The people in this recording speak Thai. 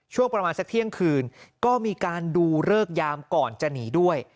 ช่วงประมาณสักเที่ยงคืนก็มีการดูเลิกยามก่อนจะหนีด้วย